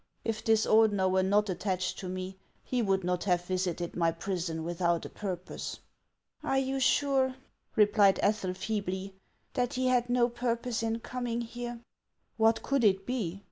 If this Ordener were not attached to me, he would not have visited my prison without a purpose." "Are you sure," replied Ethel, feebly, "that he had no purpose in coming here ?"" "What could it be ?